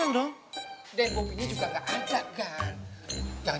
dan bobbynya juga gak ada kan